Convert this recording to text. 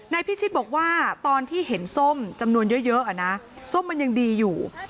พิชิตบอกว่าตอนที่เห็นส้มจำนวนเยอะนะส้มมันยังดีอยู่